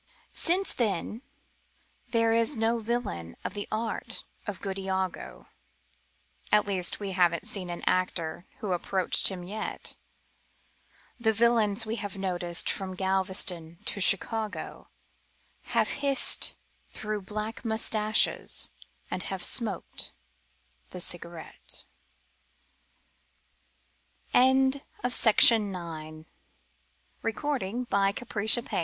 Since then there is no villain of the art of good Iago At least we haven't seen an actor who approached him yet; The villains we have noticed from Galveston to Chicago Have hissed through black mustaches and have smoked the cigaret. JONSON O rare Ben Jonson, y